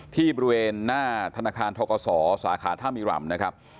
ที่บริเวณหน้าธนาคารทกศสาขาท่ามิรำนะครับ